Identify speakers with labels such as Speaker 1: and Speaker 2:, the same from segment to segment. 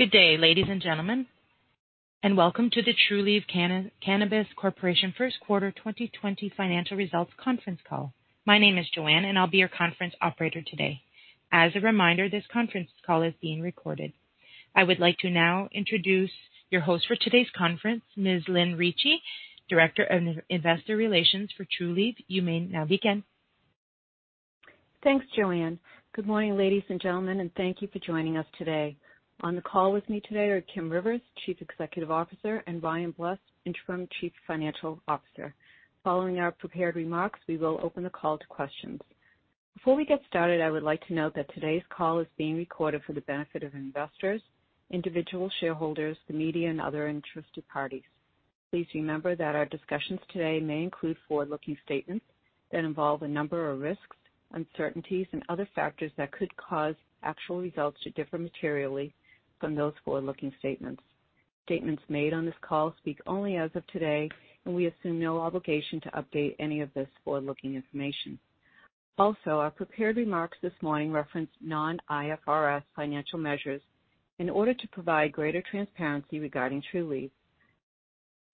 Speaker 1: Good day, ladies and gentlemen, welcome to the Trulieve Cannabis Corp. First Quarter 2020 Financial Results Conference Call. My name is Joanne, I'll be your conference operator today. As a reminder, this conference call is being recorded. I would like to now introduce your host for today's conference, Ms. Lynn Ricci, Director of Investor Relations for Trulieve. You may now begin.
Speaker 2: Thanks, Joanne. Good morning, ladies and gentlemen. Thank you for joining us today. On the call with me today are Kim Rivers, Chief Executive Officer, and Ryan Blust, Interim Chief Financial Officer. Following our prepared remarks, we will open the call to questions. Before we get started, I would like to note that today's call is being recorded for the benefit of investors, individual shareholders, the media, and other interested parties. Please remember that our discussions today may include forward-looking statements that involve a number of risks, uncertainties, and other factors that could cause actual results to differ materially from those forward-looking statements. Statements made on this call speak only as of today. We assume no obligation to update any of this forward-looking information. Our prepared remarks this morning reference non-IFRS financial measures in order to provide greater transparency regarding Trulieve.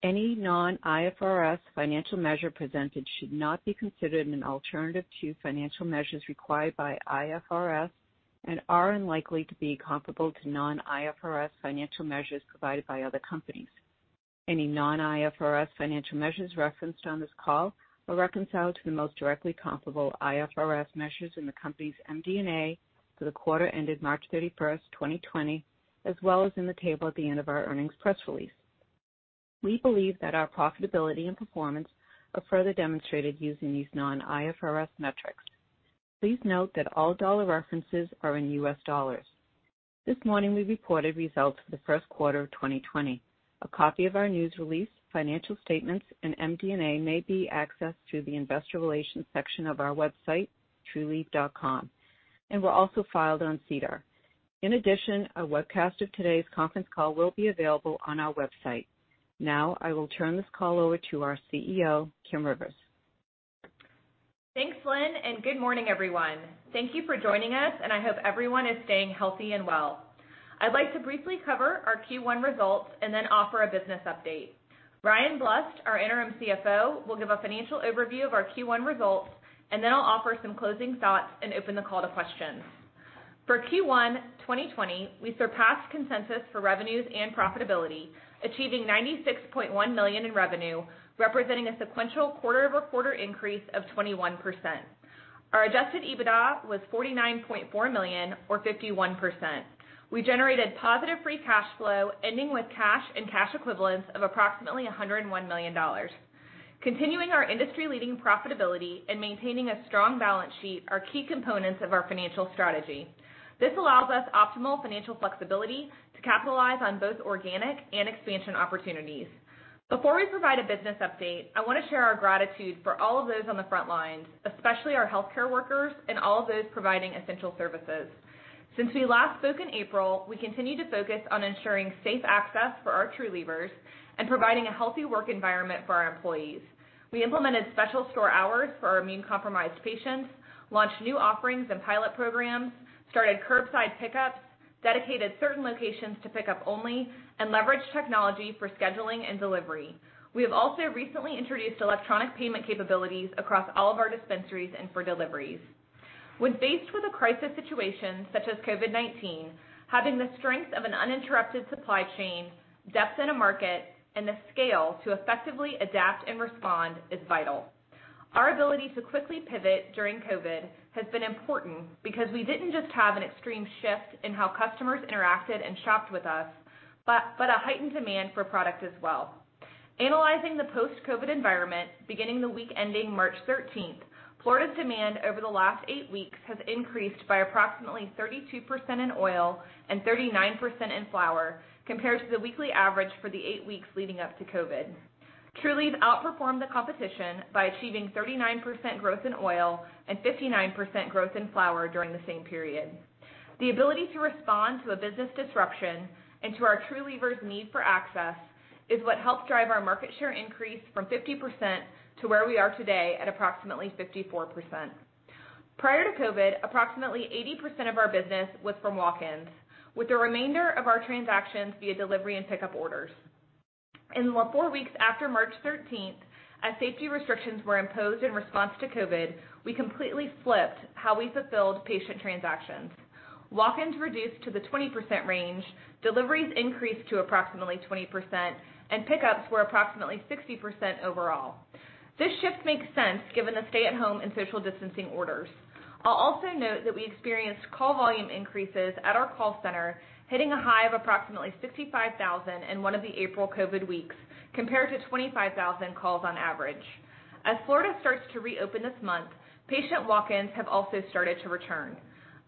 Speaker 2: Any non-IFRS financial measure presented should not be considered an alternative to financial measures required by IFRS and are unlikely to be comparable to non-IFRS financial measures provided by other companies. Any non-IFRS financial measures referenced on this call are reconciled to the most directly comparable IFRS measures in the company's MD&A for the quarter ended March 31st, 2020, as well as in the table at the end of our earnings press release. We believe that our profitability and performance are further demonstrated using these non-IFRS metrics. Please note that all dollar references are in U.S. dollars. This morning, we reported results for the first quarter of 2020. A copy of our news release, financial statements, and MD&A may be accessed through the investor relations section of our website, trulieve.com, and were also filed on SEDAR. In addition, a webcast of today's conference call will be available on our website. Now, I will turn this call over to our CEO, Kim Rivers.
Speaker 3: Thanks, Lynn. Good morning, everyone. Thank you for joining us. I hope everyone is staying healthy and well. I'd like to briefly cover our Q1 results and then offer a business update. Ryan Blust, our interim CFO, will give a financial overview of our Q1 results, and then I'll offer some closing thoughts and open the call to questions. For Q1 2020, we surpassed consensus for revenues and profitability, achieving $96.1 million in revenue, representing a sequential quarter-over-quarter increase of 21%. Our adjusted EBITDA was $49.4 million, or 51%. We generated positive free cash flow, ending with cash and cash equivalents of approximately $101 million. Continuing our industry-leading profitability and maintaining a strong balance sheet are key components of our financial strategy. This allows us optimal financial flexibility to capitalize on both organic and expansion opportunities. Before we provide a business update, I want to share our gratitude for all of those on the front lines, especially our healthcare workers and all of those providing essential services. Since we last spoke in April, we continue to focus on ensuring safe access for our Trulievers and providing a healthy work environment for our employees. We implemented special store hours for our immune-compromised patients, launched new offerings and pilot programs, started curbside pickups, dedicated certain locations to pick-up only, and leveraged technology for scheduling and delivery. We have also recently introduced electronic payment capabilities across all of our dispensaries and for deliveries. When faced with a crisis situation such as COVID-19, having the strength of an uninterrupted supply chain, depth in a market, and the scale to effectively adapt and respond is vital. Our ability to quickly pivot during COVID has been important because we didn't just have an extreme shift in how customers interacted and shopped with us, but a heightened demand for product as well. Analyzing the post-COVID environment, beginning the week ending March 13th, Florida's demand over the last eight weeks has increased by approximately 32% in oil and 39% in flower compared to the weekly average for the eight weeks leading up to COVID. Trulieve outperformed the competition by achieving 39% growth in oil and 59% growth in flower during the same period. The ability to respond to a business disruption and to our Trulievers' need for access is what helped drive our market share increase from 50% to where we are today at approximately 54%. Prior to COVID, approximately 80% of our business was from walk-ins, with the remainder of our transactions via delivery and pick-up orders. In the four weeks after March 13th, as safety restrictions were imposed in response to COVID, we completely flipped how we fulfilled patient transactions. Walk-ins reduced to the 20% range, deliveries increased to approximately 20%, and pick-ups were approximately 60% overall. This shift makes sense given the stay-at-home and social distancing orders. I'll also note that we experienced call volume increases at our call center, hitting a high of approximately 65,000 in one of the April COVID weeks, compared to 25,000 calls on average. As Florida starts to reopen this month, patient walk-ins have also started to return.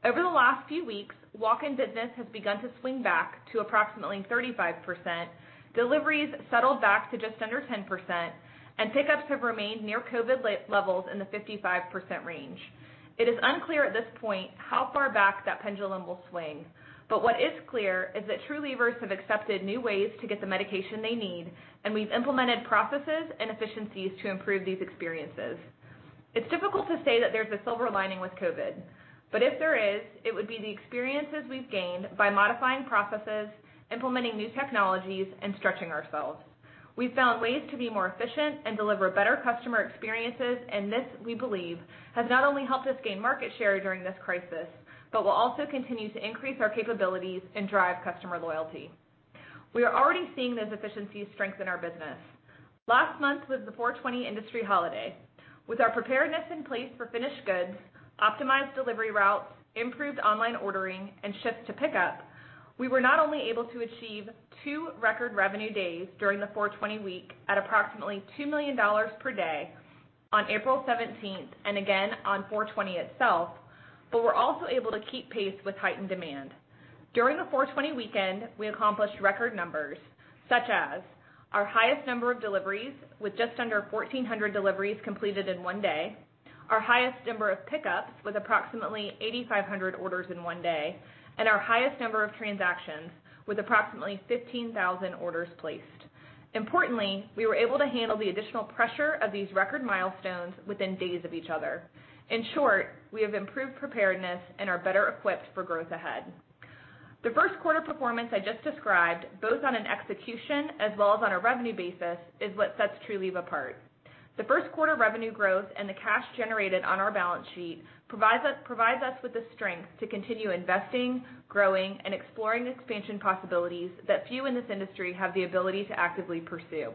Speaker 3: Over the last few weeks, walk-in business has begun to swing back to approximately 35%, deliveries settled back to just under 10%, and pick-ups have remained near COVID levels in the 55% range. It is unclear at this point how far back that pendulum will swing, but what is clear is that Trulievers have accepted new ways to get the medication they need, and we've implemented processes and efficiencies to improve these experiences. It's difficult to say that there's a silver lining with COVID, but if there is, it would be the experiences we've gained by modifying processes, implementing new technologies, and stretching ourselves. We've found ways to be more efficient and deliver better customer experiences, and this, we believe, has not only helped us gain market share during this crisis, but will also continue to increase our capabilities and drive customer loyalty. We are already seeing those efficiencies strengthen our business. Last month was the 4/20 industry holiday. With our preparedness in place for finished goods, optimized delivery routes, improved online ordering, and shift to pickup, we were not only able to achieve two record revenue days during the 4/20 week at approximately $2 million per day on April 17th, and again on 4/20 itself, but were also able to keep pace with heightened demand. During the 4/20 weekend, we accomplished record numbers, such as our highest number of deliveries, with just under 1,400 deliveries completed in one day, our highest number of pickups, with approximately 8,500 orders in one day, and our highest number of transactions, with approximately 15,000 orders placed. Importantly, we were able to handle the additional pressure of these record milestones within days of each other. In short, we have improved preparedness and are better equipped for growth ahead. The first quarter performance I just described, both on an execution as well as on a revenue basis, is what sets Trulieve apart. The first quarter revenue growth and the cash generated on our balance sheet provides us with the strength to continue investing, growing, and exploring expansion possibilities that few in this industry have the ability to actively pursue.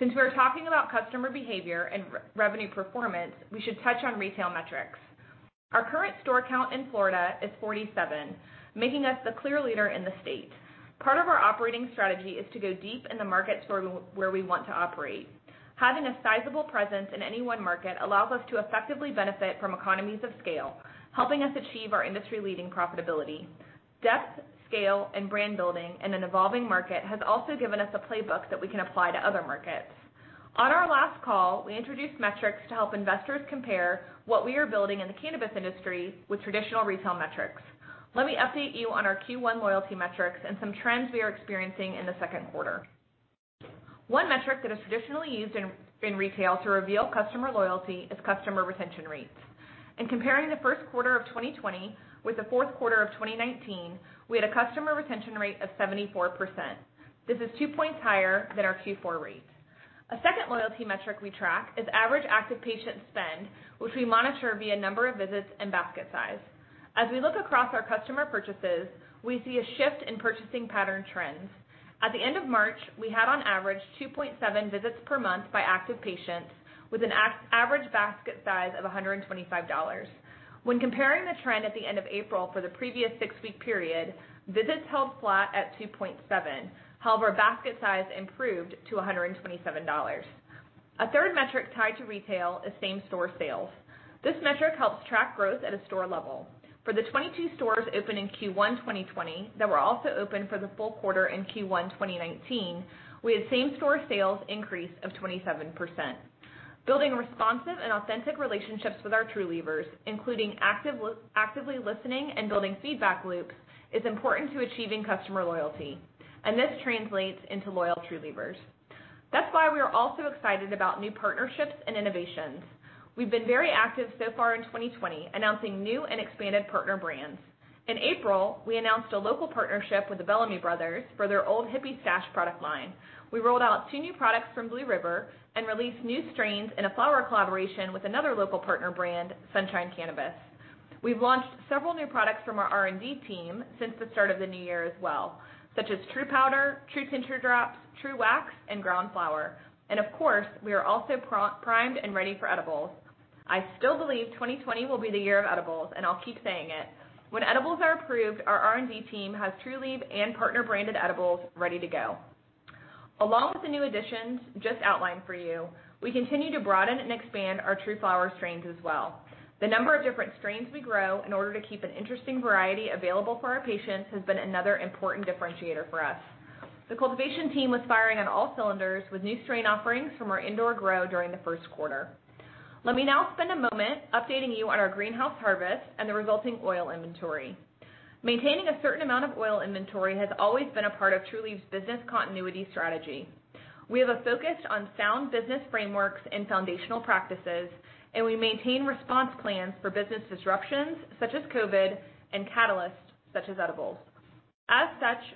Speaker 3: Since we are talking about customer behavior and revenue performance, we should touch on retail metrics. Our current store count in Florida is 47, making us the clear leader in the state. Part of our operating strategy is to go deep in the markets where we want to operate. Having a sizable presence in any one market allows us to effectively benefit from economies of scale, helping us achieve our industry-leading profitability. Depth, scale, and brand building in an evolving market has also given us a playbook that we can apply to other markets. On our last call, we introduced metrics to help investors compare what we are building in the cannabis industry with traditional retail metrics. Let me update you on our Q1 loyalty metrics and some trends we are experiencing in the second quarter. One metric that is traditionally used in retail to reveal customer loyalty is customer retention rates, and comparing the first quarter of 2020 with the fourth quarter of 2019, we had a customer retention rate of 74%. This is two points higher than our Q4 rate. A second loyalty metric we track is average active patient spend, which we monitor via number of visits and basket size. As we look across our customer purchases, we see a shift in purchasing pattern trends. At the end of March, we had on average 2.7 visits per month by active patients, with an average basket size of $125. When comparing the trend at the end of April for the previous six-week period, visits held flat at 2.7, however, basket size improved to $127. A third metric tied to retail is same-store sales. This metric helps track growth at a store level. For the 22 stores open in Q1 2020 that were also open for the full quarter in Q1 2019, we had same-store sales increase of 27%. Building responsive and authentic relationships with our Trulievers, including actively listening and building feedback loops, is important to achieving customer loyalty, and this translates into loyal Trulievers. That's why we are also excited about new partnerships and innovations. We've been very active so far in 2020, announcing new and expanded partner brands. In April, we announced a local partnership with the Bellamy Brothers for their Old Hippie Stash product line. We rolled out two new products from Blue River and released new strains in a flower collaboration with another local partner brand, Sunshine Cannabis. We've launched several new products from our R&D team since the start of the new year as well, such as TruPowder, TruTincture drops, TruWax, and Ground Flower. Of course, we are also primed and ready for edibles. I still believe 2020 will be the year of edibles, and I'll keep saying it. When edibles are approved, our R&D team has Trulieve and partner-branded edibles ready to go. Along with the new additions just outlined for you, we continue to broaden and expand our TruFlower strains as well. The number of different strains we grow in order to keep an interesting variety available for our patients has been another important differentiator for us. The cultivation team was firing on all cylinders with new strain offerings from our indoor grow during the first quarter. Let me now spend a moment updating you on our greenhouse harvest and the resulting oil inventory. Maintaining a certain amount of oil inventory has always been a part of Trulieve's business continuity strategy. We have a focus on sound business frameworks and foundational practices. We maintain response plans for business disruptions such as COVID-19 and catalysts such as edibles.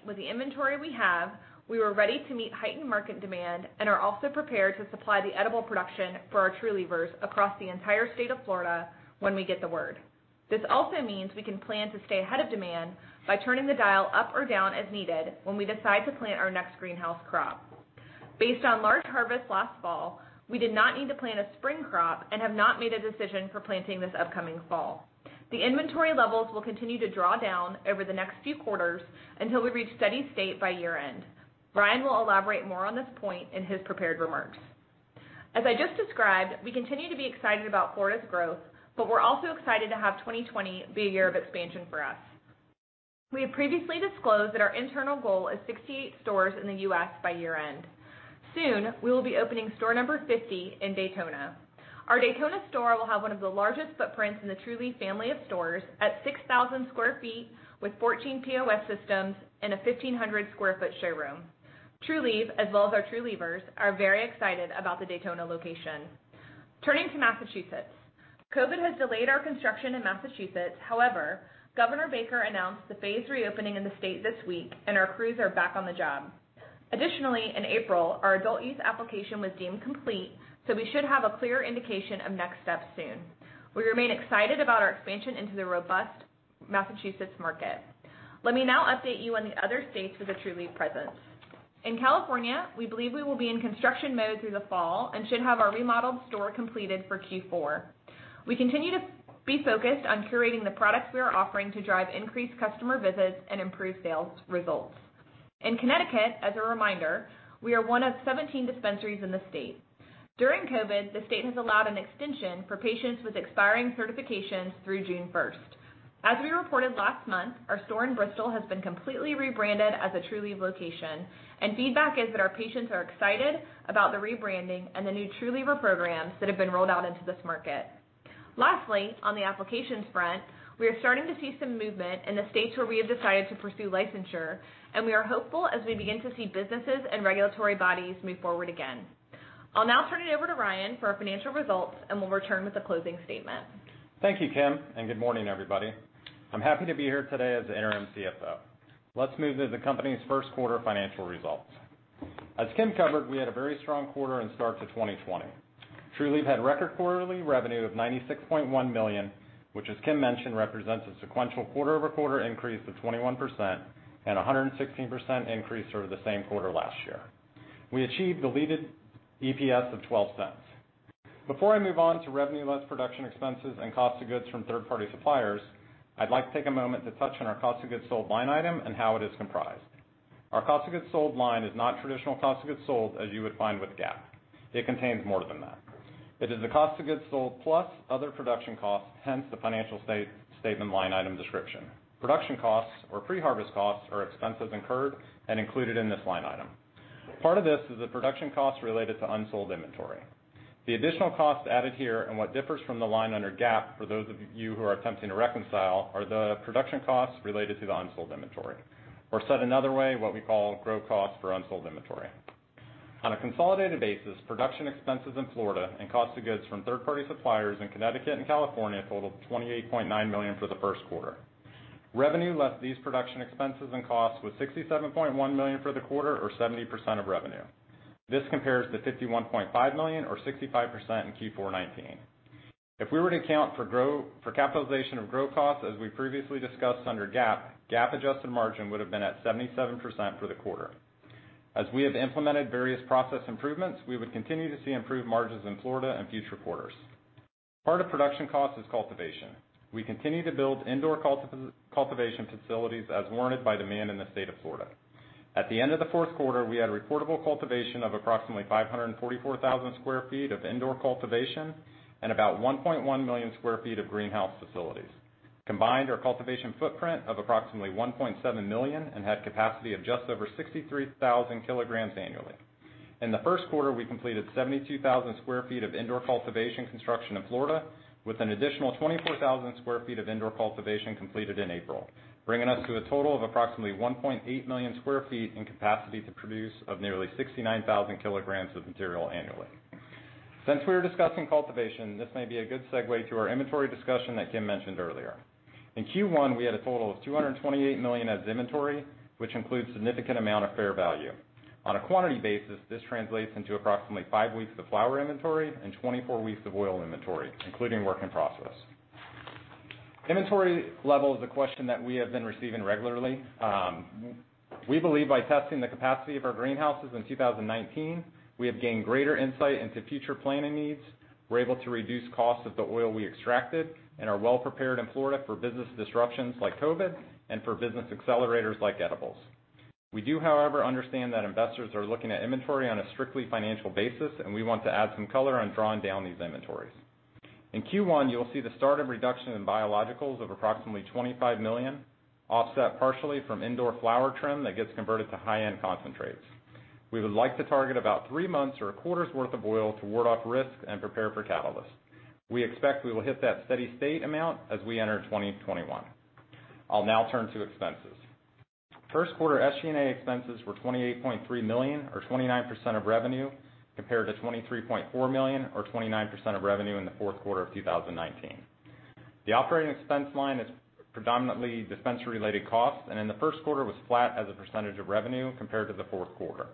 Speaker 3: With the inventory we have, we were ready to meet heightened market demand and are also prepared to supply the edible production for our Trulievers across the entire state of Florida when we get the word. This also means we can plan to stay ahead of demand by turning the dial up or down as needed when we decide to plant our next greenhouse crop. Based on large harvest last fall, we did not need to plant a spring crop and have not made a decision for planting this upcoming fall. The inventory levels will continue to draw down over the next few quarters until we reach steady state by year-end. Ryan will elaborate more on this point in his prepared remarks. As I just described, we continue to be excited about Florida's growth, but we're also excited to have 2020 be a year of expansion for us. We have previously disclosed that our internal goal is 68 stores in the U.S. by year-end. Soon, we will be opening store number 50 in Daytona. Our Daytona store will have one of the largest footprints in the Trulieve family of stores at 6,000 sq ft with 14 POS systems and a 1,500 sq ft showroom. Trulieve, as well as our Trulievers, are very excited about the Daytona location. Turning to Massachusetts. COVID-19 has delayed our construction in Massachusetts. Governor Baker announced the phased reopening in the state this week, and our crews are back on the job. In April, our adult use application was deemed complete, so we should have a clear indication of next steps soon. We remain excited about our expansion into the robust Massachusetts market. Let me now update you on the other states with a Trulieve presence. In California, we believe we will be in construction mode through the fall and should have our remodeled store completed for Q4. We continue to be focused on curating the products we are offering to drive increased customer visits and improve sales results. In Connecticut, as a reminder, we are one of 17 dispensaries in the state. During COVID-19, the state has allowed an extension for patients with expiring certifications through June 1st. As we reported last month, our store in Bristol has been completely rebranded as a Trulieve location, and feedback is that our patients are excited about the rebranding and the new Truliever programs that have been rolled out into this market. On the applications front, we are starting to see some movement in the states where we have decided to pursue licensure, and we are hopeful as we begin to see businesses and regulatory bodies move forward again. I'll now turn it over to Ryan for our financial results, and will return with a closing statement.
Speaker 4: Thank you, Kim. Good morning, everybody. I'm happy to be here today as the interim CFO. Let's move to the company's first quarter financial results. As Kim covered, we had a very strong quarter and start to 2020. Trulieve had record quarterly revenue of $96.1 million, which, as Kim mentioned, represents a sequential quarter-over-quarter increase of 21% and 116% increase over the same quarter last year. We achieved diluted EPS of $0.12. Before I move on to revenue less production expenses and cost of goods from third-party suppliers, I'd like to take a moment to touch on our cost of goods sold line item and how it is comprised. Our cost of goods sold line is not traditional cost of goods sold as you would find with GAAP. It contains more than that. It is the cost of goods sold, plus other production costs, hence the financial statement line item description. Production costs or pre-harvest costs are expenses incurred and included in this line item. Part of this is the production costs related to unsold inventory. The additional cost added here, and what differs from the line under GAAP, for those of you who are attempting to reconcile, are the production costs related to the unsold inventory. Said another way, what we call grow costs for unsold inventory. On a consolidated basis, production expenses in Florida and cost of goods from third-party suppliers in Connecticut and California totaled $28.9 million for the first quarter. Revenue less these production expenses and costs was $67.1 million for the quarter or 70% of revenue. This compares to $51.5 million or 65% in Q4 2019. If we were to account for capitalization of grow costs, as we previously discussed under GAAP adjusted margin would have been at 77% for the quarter. We have implemented various process improvements, we would continue to see improved margins in Florida in future quarters. Part of production cost is cultivation. We continue to build indoor cultivation facilities as warranted by demand in the state of Florida. At the end of the fourth quarter, we had reportable cultivation of approximately 544,000 sq ft of indoor cultivation and about 1.1 million sq ft of greenhouse facilities. Combined, our cultivation footprint of approximately 1.7 million and had capacity of just over 63,000 kilograms annually. In the first quarter, we completed 72,000 sq ft of indoor cultivation construction in Florida, with an additional 24,000 sq ft of indoor cultivation completed in April, bringing us to a total of approximately 1.8 million sq ft in capacity to produce of nearly 69,000 kilograms of material annually. Since we are discussing cultivation, this may be a good segue to our inventory discussion that Kim mentioned earlier. In Q1, we had a total of $228 million as inventory, which includes significant amount of fair value. On a quantity basis, this translates into approximately five weeks of flower inventory and 24 weeks of oil inventory, including work in process. Inventory level is a question that we have been receiving regularly. We believe by testing the capacity of our greenhouses in 2019, we have gained greater insight into future planning needs. We're able to reduce costs of the oil we extracted and are well-prepared in Florida for business disruptions like COVID and for business accelerators like edibles. We do, however, understand that investors are looking at inventory on a strictly financial basis, and we want to add some color on drawing down these inventories. In Q1, you will see the start of reduction in biologicals of approximately $25 million, offset partially from indoor flower trim that gets converted to high-end concentrates. We would like to target about three months or a quarter's worth of oil to ward off risk and prepare for catalyst. We expect we will hit that steady state amount as we enter 2021. I'll now turn to expenses. First quarter SG&A expenses were $28.3 million or 29% of revenue, compared to $23.4 million or 29% of revenue in the fourth quarter of 2019. The operating expense line is predominantly dispensary-related costs, and in the first quarter was flat as a percentage of revenue compared to the fourth quarter.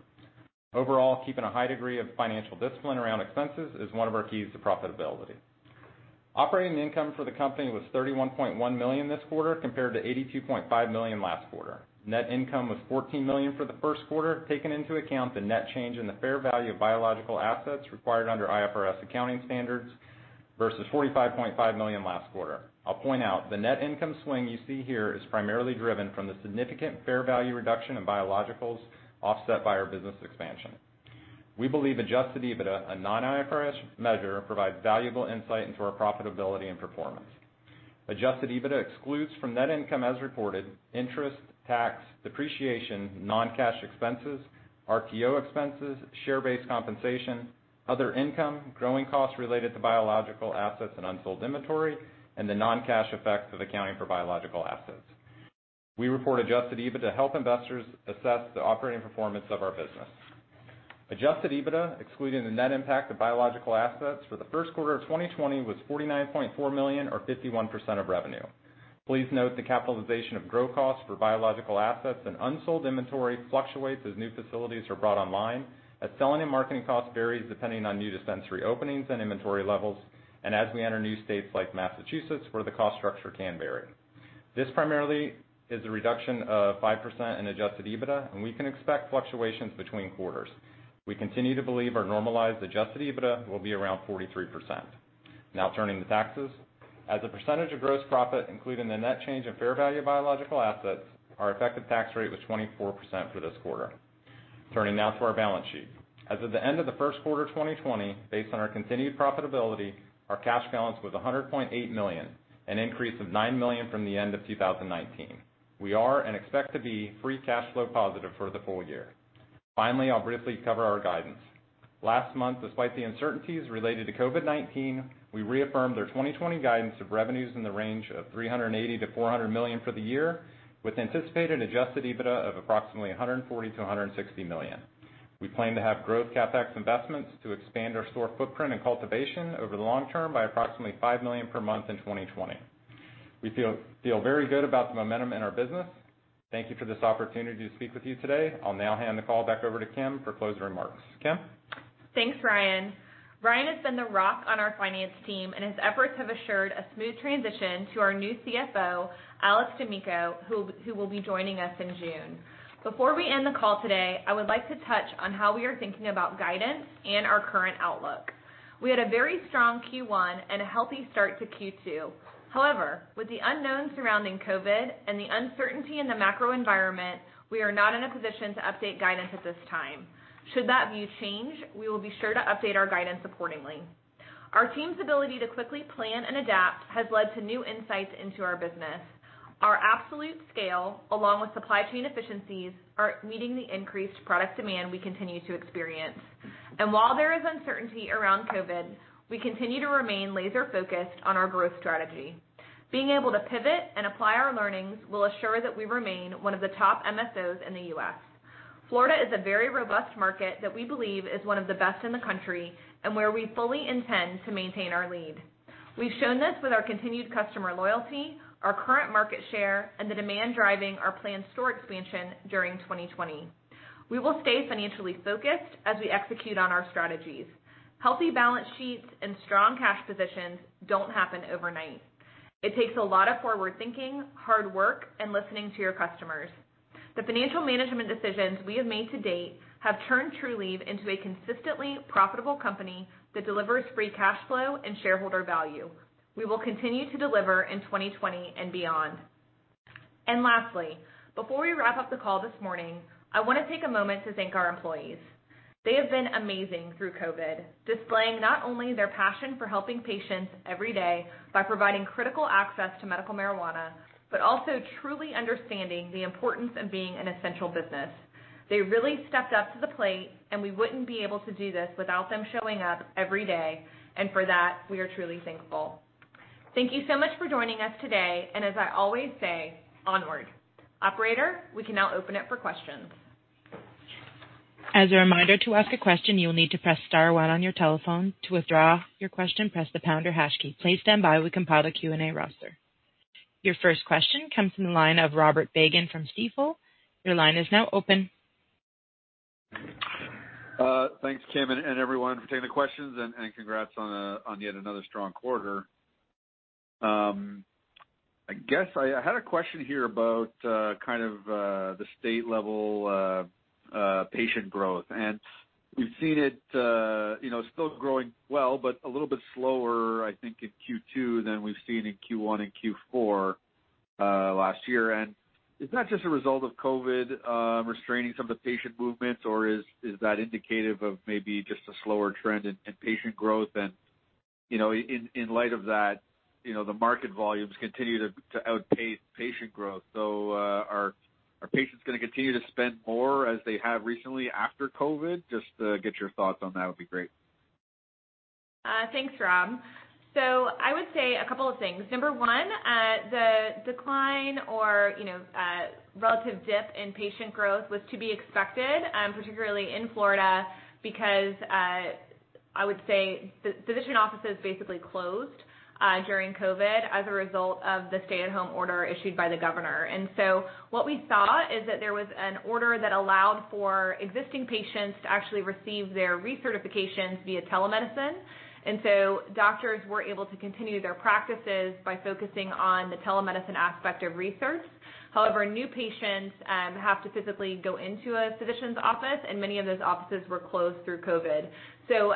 Speaker 4: Overall, keeping a high degree of financial discipline around expenses is one of our keys to profitability. Operating income for the company was $31.1 million this quarter, compared to $82.5 million last quarter. Net income was $14 million for the first quarter, taking into account the net change in the fair value of biological assets required under IFRS accounting standards, versus $45.5 million last quarter. I'll point out, the net income swing you see here is primarily driven from the significant fair value reduction in biologicals offset by our business expansion. We believe adjusted EBITDA, a non-IFRS measure, provides valuable insight into our profitability and performance. Adjusted EBITDA excludes from net income as reported, interest, tax, depreciation, non-cash expenses, RTO expenses, share-based compensation, other income, growing costs related to biological assets and unsold inventory, and the non-cash effects of accounting for biological assets. We report adjusted EBITDA to help investors assess the operating performance of our business. Adjusted EBITDA, excluding the net impact of biological assets for the first quarter of 2020, was $49.4 million or 51% of revenue. Please note the capitalization of grow costs for biological assets and unsold inventory fluctuates as new facilities are brought online, as selling and marketing costs varies depending on new dispensary openings and inventory levels, and as we enter new states like Massachusetts, where the cost structure can vary. This primarily is a reduction of 5% in adjusted EBITDA, and we can expect fluctuations between quarters. We continue to believe our normalized adjusted EBITDA will be around 43%. Now turning to taxes. As a percentage of gross profit, including the net change in fair value biological assets, our effective tax rate was 24% for this quarter. Turning now to our balance sheet. As of the end of the first quarter 2020, based on our continued profitability, our cash balance was $100.8 million, an increase of $9 million from the end of 2019. We are and expect to be free cash flow positive for the full year. Finally, I'll briefly cover our guidance. Last month, despite the uncertainties related to COVID-19, we reaffirmed our 2020 guidance of revenues in the range of $380 million-$400 million for the year, with anticipated adjusted EBITDA of approximately $140 million-$160 million. We plan to have growth CapEx investments to expand our store footprint and cultivation over the long term by approximately $5 million per month in 2020. We feel very good about the momentum in our business. Thank you for this opportunity to speak with you today. I'll now hand the call back over to Kim for closing remarks. Kim?
Speaker 3: Thanks, Ryan. Ryan has been the rock on our finance team, and his efforts have assured a smooth transition to our new CFO, Alex D'Amico, who will be joining us in June. Before we end the call today, I would like to touch on how we are thinking about guidance and our current outlook. We had a very strong Q1 and a healthy start to Q2. With the unknowns surrounding COVID-19 and the uncertainty in the macro environment, we are not in a position to update guidance at this time. Should that view change, we will be sure to update our guidance accordingly. Our team's ability to quickly plan and adapt has led to new insights into our business. Our absolute scale, along with supply chain efficiencies, are meeting the increased product demand we continue to experience. While there is uncertainty around COVID, we continue to remain laser-focused on our growth strategy. Being able to pivot and apply our learnings will assure that we remain one of the top MSOs in the U.S. Florida is a very robust market that we believe is one of the best in the country and where we fully intend to maintain our lead. We've shown this with our continued customer loyalty, our current market share, and the demand driving our planned store expansion during 2020. We will stay financially focused as we execute on our strategies. Healthy balance sheets and strong cash positions don't happen overnight. It takes a lot of forward-thinking, hard work, and listening to your customers. The financial management decisions we have made to date have turned Trulieve into a consistently profitable company that delivers free cash flow and shareholder value. We will continue to deliver in 2020 and beyond. Lastly, before we wrap up the call this morning, I want to take a moment to thank our employees. They have been amazing through COVID-19, displaying not only their passion for helping patients every day by providing critical access to medical marijuana, but also truly understanding the importance of being an essential business. They really stepped up to the plate, and we wouldn't be able to do this without them showing up every day, and for that, we are truly thankful. Thank you so much for joining us today, and as I always say, onward. Operator, we can now open it for questions.
Speaker 1: As a reminder, to ask a question, you will need to press star one on your telephone. To withdraw your question, press the pound or hash key. Please stand by. We compiled a Q&A roster. Your first question comes from the line of Robert Fagan from Stifel. Your line is now open.
Speaker 5: Thanks, Kim, and everyone for taking the questions, and congrats on yet another strong quarter. I had a question here about the state-level patient growth. We've seen it still growing well, but a little bit slower, I think, in Q2 than we've seen in Q1 and Q4 last year. Is that just a result of COVID restraining some of the patient movements, or is that indicative of maybe just a slower trend in patient growth? In light of that, the market volumes continue to outpace patient growth. Are patients going to continue to spend more as they have recently after COVID? Just to get your thoughts on that would be great.
Speaker 3: Thanks, Rob. I would say a couple of things. Number one, the decline or relative dip in patient growth was to be expected, particularly in Florida, because I would say the physician offices basically closed during COVID as a result of the stay-at-home order issued by the governor. What we saw is that there was an order that allowed for existing patients to actually receive their recertifications via telemedicine. Doctors were able to continue their practices by focusing on the telemedicine aspect of recert. However, new patients have to physically go into a physician's office, and many of those offices were closed through COVID.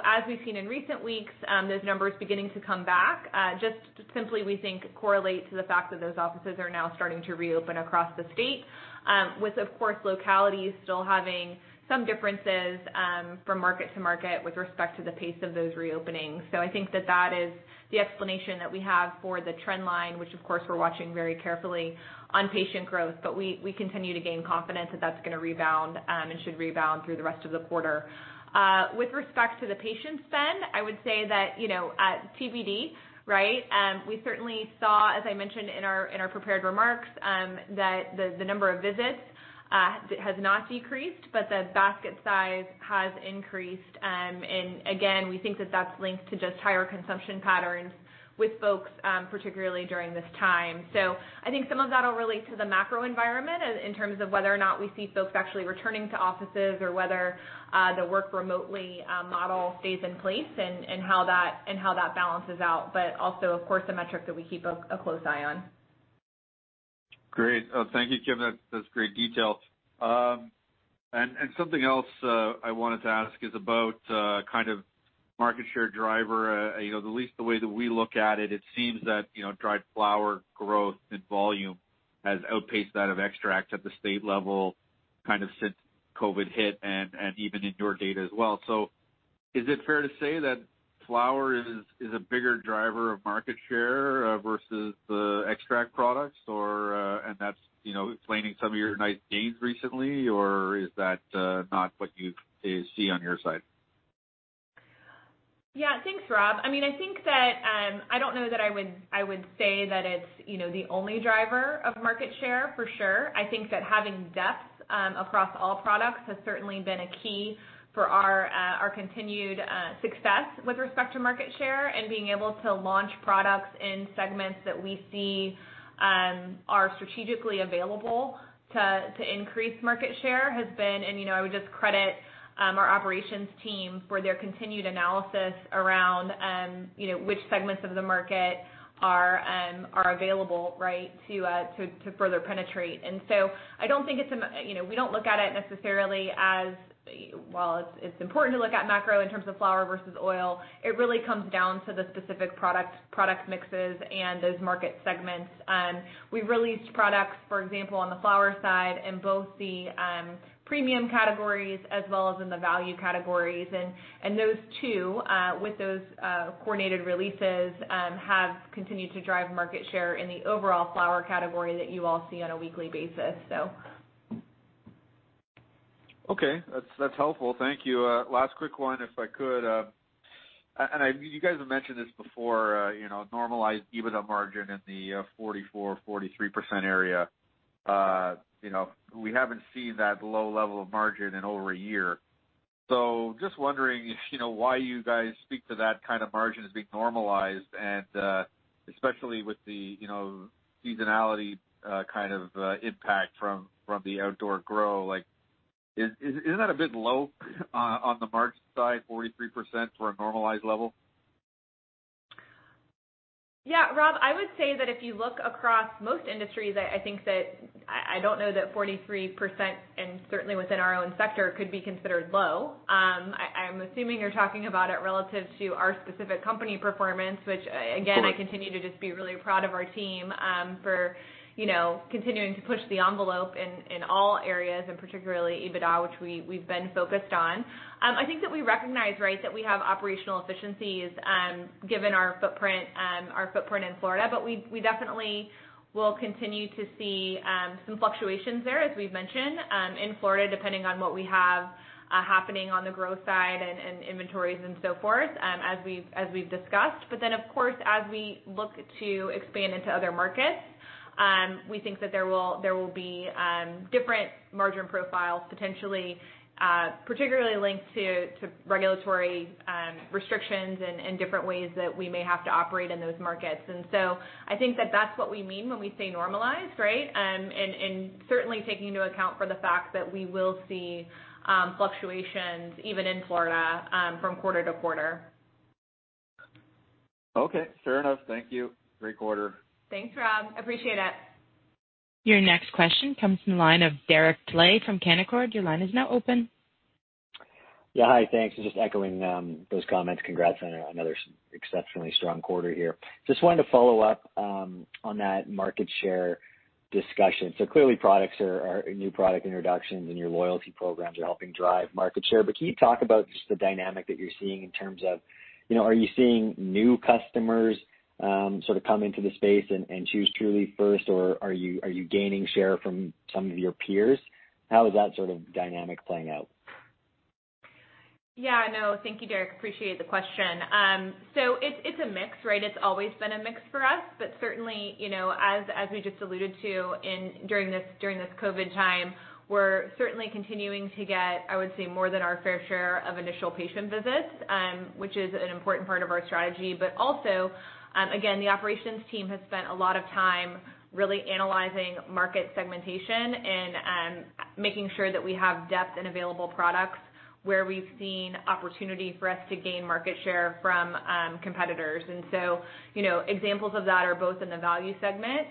Speaker 3: As we've seen in recent weeks, those numbers beginning to come back, just simply, we think, correlate to the fact that those offices are now starting to reopen across the state. With, of course, localities still having some differences from market to market with respect to the pace of those reopenings. I think that that is the explanation that we have for the trend line, which of course, we're watching very carefully on patient growth. We continue to gain confidence that that's going to rebound and should rebound through the rest of the quarter. With respect to the patient spend, I would say that at Trulieve, we certainly saw, as I mentioned in our prepared remarks, that the number of visits has not decreased, but the basket size has increased. Again, we think that that's linked to just higher consumption patterns with folks, particularly during this time. I think some of that will relate to the macro environment in terms of whether or not we see folks actually returning to offices or whether the work remotely model stays in place and how that balances out, but also, of course, a metric that we keep a close eye on.
Speaker 5: Great. Thank you, Kim. That's great detail. Something else I wanted to ask is about market share driver. At least the way that we look at it seems that dried flower growth and volume has outpaced that of extract at the state level since COVID hit, and even in your data as well. Is it fair to say that flower is a bigger driver of market share versus the extract products, and that's explaining some of your nice gains recently, or is that not what you see on your side?
Speaker 3: Yeah. Thanks, Rob. I don't know that I would say that it's the only driver of market share for sure. I think that having depth across all products has certainly been a key for our continued success with respect to market share, and being able to launch products in segments that we see are strategically available to increase market share. I would just credit our operations team for their continued analysis around which segments of the market are available to further penetrate. We don't look at it necessarily as, while it's important to look at macro in terms of flower versus oil, it really comes down to the specific product mixes and those market segments. We've released products, for example, on the flower side in both the premium categories as well as in the value categories. Those two, with those coordinated releases, have continued to drive market share in the overall flower category that you all see on a weekly basis.
Speaker 5: Okay. That's helpful. Thank you. Last quick one, if I could. You guys have mentioned this before, normalized EBITDA margin in the 44%-43% area. We haven't seen that low level of margin in over a year. Just wondering why you guys speak to that kind of margin as being normalized, and especially with the seasonality impact from the outdoor grow. Isn't that a bit low on the margin side, 43%, for a normalized level?
Speaker 3: Yeah. Rob, I would say that if you look across most industries, I don't know that 43%, and certainly within our own sector, could be considered low. I'm assuming you're talking about it relative to our specific company performance.
Speaker 5: Of course
Speaker 3: I continue to just be really proud of our team for continuing to push the envelope in all areas, particularly EBITDA, which we've been focused on. I think that we recognize that we have operational efficiencies given our footprint in Florida, we definitely will continue to see some fluctuations there, as we've mentioned, in Florida, depending on what we have happening on the growth side and inventories and so forth, as we've discussed. Of course, as we look to expand into other markets, we think that there will be different margin profiles potentially, particularly linked to regulatory restrictions and different ways that we may have to operate in those markets. I think that that's what we mean when we say normalized. Certainly taking into account for the fact that we will see fluctuations even in Florida from quarter to quarter.
Speaker 5: Okay. Fair enough. Thank you. Great quarter.
Speaker 3: Thanks, Rob. Appreciate it.
Speaker 1: Your next question comes from the line of Derek Dley from Canaccord. Your line is now open.
Speaker 6: Yeah. Hi. Thanks. Just echoing those comments. Congrats on another exceptionally strong quarter here. Just wanted to follow up on that market share discussion. Clearly, new product introductions and your loyalty programs are helping drive market share, but can you talk about just the dynamic that you're seeing in terms of, are you seeing new customers come into the space and choose Trulieve first, or are you gaining share from some of your peers? How is that dynamic playing out?
Speaker 3: No. Thank you, Derek. Appreciate the question. It's a mix. It's always been a mix for us, but certainly, as we just alluded to during this COVID-19 time, we're certainly continuing to get, I would say, more than our fair share of initial patient visits, which is an important part of our strategy. Also, again, the operations team has spent a lot of time really analyzing market segmentation and making sure that we have depth in available products where we've seen opportunity for us to gain market share from competitors. Examples of that are both in the value segment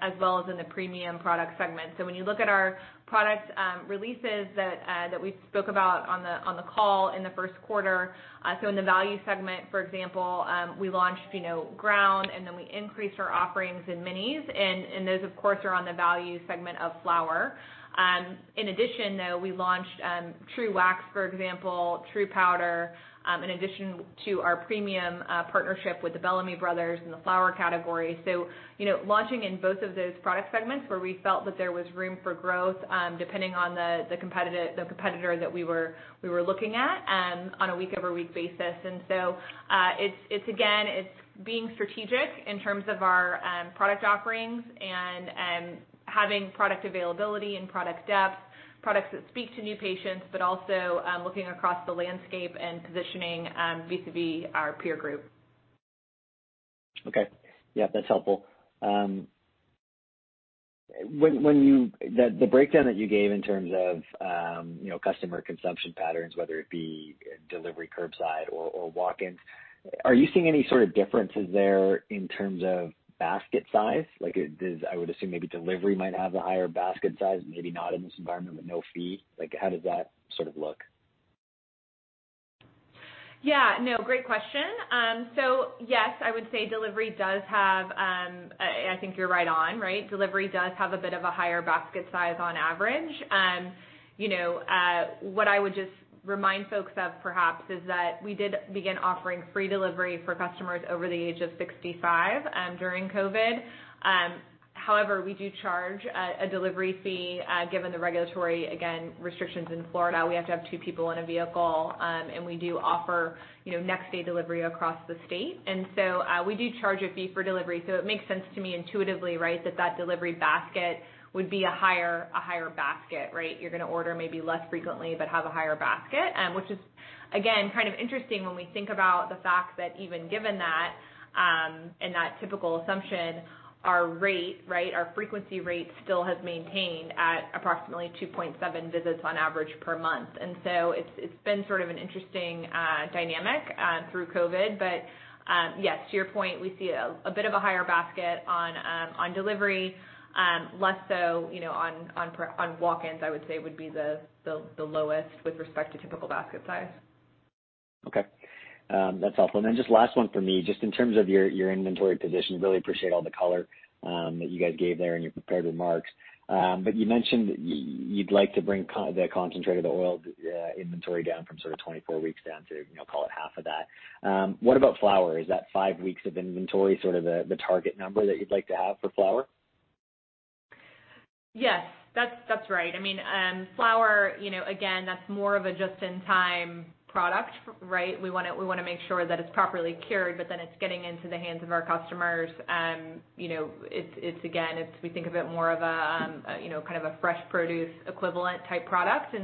Speaker 3: as well as in the premium product segment. When you look at our product releases that we spoke about on the call in the first quarter. In the value segment, for example, we launched Ground Flower, and then we increased our offerings in Minis. Those, of course, are on the value segment of flower. In addition, though, we launched TruWax, for example, TruPowder, in addition to our premium partnership with the Bellamy Brothers in the flower category. Launching in both of those product segments where we felt that there was room for growth, depending on the competitor that we were looking at on a week-over-week basis. Again, it's being strategic in terms of our product offerings and having product availability and product depth, products that speak to new patients, but also looking across the landscape and positioning vis-a-vis our peer group.
Speaker 6: Okay. Yeah, that's helpful. The breakdown that you gave in terms of customer consumption patterns, whether it be delivery, curbside, or walk-ins, are you seeing any sort of differences there in terms of basket size? I would assume maybe delivery might have the higher basket size, maybe not in this environment with no fee. How does that sort of look?
Speaker 3: Yeah. No, great question. Yes, I would say, I think you're right on. Delivery does have a bit of a higher basket size on average. What I would just remind folks of perhaps is that we did begin offering free delivery for customers over the age of 65 during COVID. We do charge a delivery fee, given the regulatory, again, restrictions in Florida. We have to have two people in a vehicle. We do offer next day delivery across the state. We do charge a fee for delivery. It makes sense to me intuitively that that delivery basket would be a higher basket. You're going to order maybe less frequently but have a higher basket. Which is, again, kind of interesting when we think about the fact that even given that, and that typical assumption, our frequency rate still has maintained at approximately 2.7 visits on average per month. It's been sort of an interesting dynamic through COVID-19. Yes, to your point, we see a bit of a higher basket on delivery, less so on walk-ins, I would say, would be the lowest with respect to typical basket size.
Speaker 6: Okay. That's helpful. Just last one from me, just in terms of your inventory position, really appreciate all the color that you guys gave there in your prepared remarks. You mentioned you'd like to bring the concentrated oil inventory down from sort of 24 weeks down to, call it half of that. What about flower? Is that five weeks of inventory sort of the target number that you'd like to have for flower?
Speaker 3: Yes, that's right. Flower, again, that's more of a just-in-time product. We want to make sure that it's properly cured, but then it's getting into the hands of our customers. Again, we think of it more of a kind of a fresh produce equivalent type product.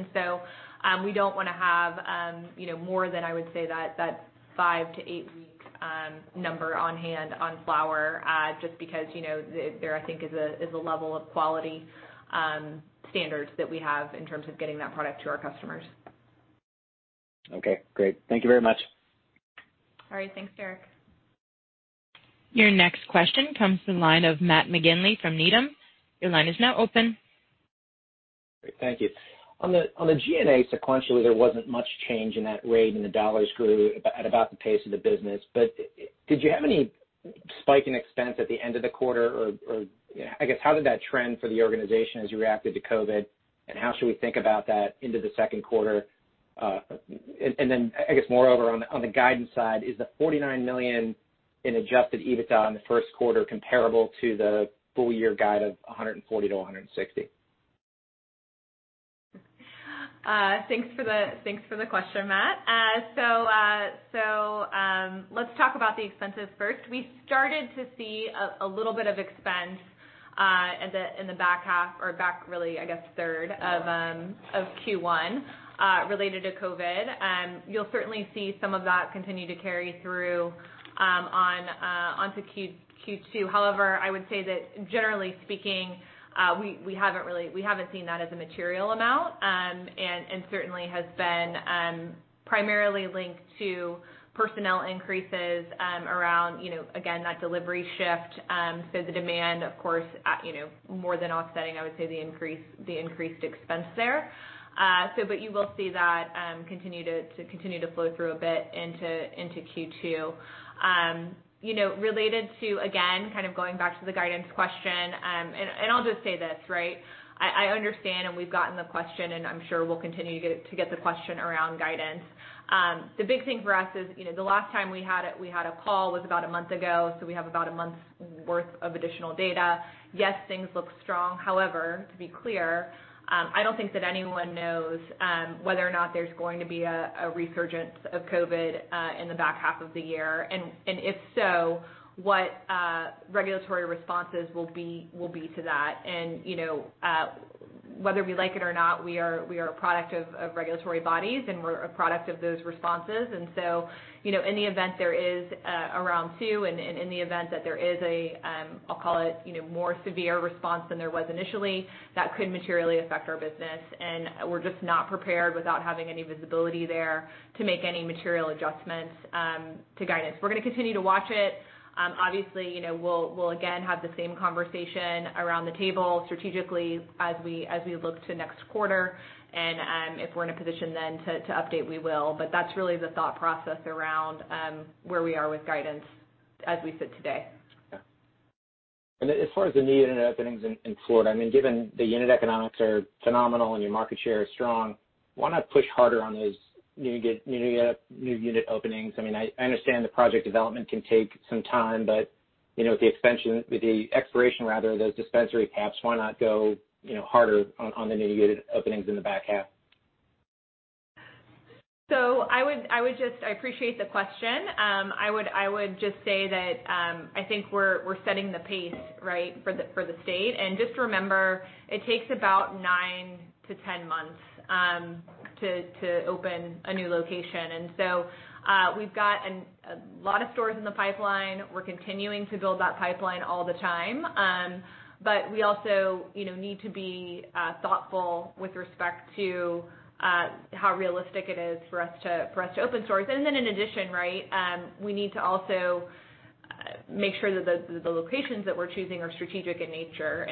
Speaker 3: We don't want to have more than, I would say, that five- to eight-week number on-hand on flower, just because there, I think, is a level of quality standards that we have in terms of getting that product to our customers.
Speaker 6: Okay, great. Thank you very much.
Speaker 3: All right. Thanks, Derek.
Speaker 1: Your next question comes from the line of Matt McGinley from Needham. Your line is now open.
Speaker 7: Great. Thank you. On the G&A, sequentially, there wasn't much change in that rate, and the dollars grew at about the pace of the business. Did you have any spike in expense at the end of the quarter? I guess, how did that trend for the organization as you reacted to COVID, and how should we think about that into the second quarter? I guess, moreover, on the guidance side, is the $49 million in adjusted EBITDA in the first quarter comparable to the full year guide of $140 million-$160 million?
Speaker 3: Thanks for the question, Matt. Let's talk about the expenses first. We started to see a little bit of expense in the back half or back really, I guess, third of Q1, related to COVID. You'll certainly see some of that continue to carry through onto Q2. However, I would say that generally speaking, we haven't seen that as a material amount, and certainly has been primarily linked to personnel increases around, again, that delivery shift. The demand, of course, more than offsetting, I would say, the increased expense there. You will see that continue to flow through a bit into Q2. Related to, again, kind of going back to the guidance question, I'll just say this. I understand, we've gotten the question, and I'm sure we'll continue to get the question around guidance. The big thing for us is, the last time we had a call was about a month ago. We have about a month's worth of additional data. Yes, things look strong. However, to be clear, I don't think that anyone knows whether or not there's going to be a resurgence of COVID in the back half of the year. If so, what regulatory responses will be to that. Whether we like it or not, we are a product of regulatory bodies, and we're a product of those responses. In the event there is a round 2, and in the event that there is a, I'll call it, more severe response than there was initially, that could materially affect our business. We're just not prepared without having any visibility there to make any material adjustments to guidance. We're going to continue to watch it. Obviously, we'll again have the same conversation around the table strategically as we look to next quarter. If we're in a position then to update, we will. That's really the thought process around where we are with guidance as we sit today.
Speaker 7: Yeah. As far as the new unit openings in Florida, given the unit economics are phenomenal and your market share is strong, why not push harder on those new unit openings? I understand the project development can take some time, with the expiration of those dispensary caps, why not go harder on the new unit openings in the back half?
Speaker 3: I appreciate the question. I would just say that I think we're setting the pace, right, for the state. Just remember, it takes about nine to 10 months to open a new location. We've got a lot of stores in the pipeline. We're continuing to build that pipeline all the time. We also need to be thoughtful with respect to how realistic it is for us to open stores. In addition, right, we need to also make sure that the locations that we're choosing are strategic in nature.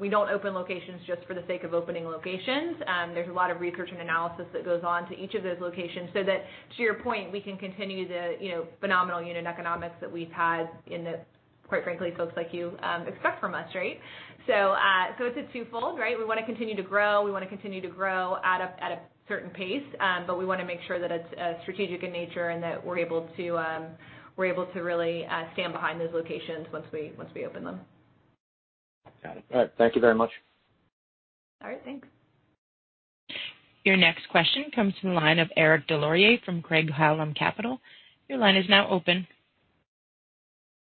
Speaker 3: We don't open locations just for the sake of opening locations. There's a lot of research and analysis that goes on to each of those locations so that, to your point, we can continue the phenomenal unit economics that we've had and that, quite frankly, folks like you expect from us, right? It's a twofold, right. We want to continue to grow. We want to continue to grow at a certain pace. We want to make sure that it's strategic in nature and that we're able to really stand behind those locations once we open them.
Speaker 7: Got it. All right. Thank you very much.
Speaker 3: All right. Thanks.
Speaker 1: Your next question comes from the line of Eric Des Lauriers from Craig-Hallum Capital. Your line is now open.